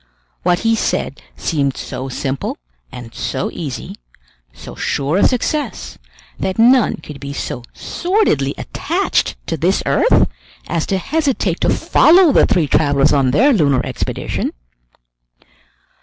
What he said seemed so simple and so easy, so sure of success, that none could be so sordidly attached to this earth as to hesitate to follow the three travelers on their lunar expedition.